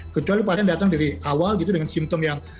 kecuali pasien datang dari awal gitu dengan simptom yang